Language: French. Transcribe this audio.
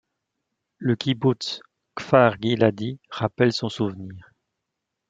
Le kibboutz Kfar-Guiladi rappelle son souvenir.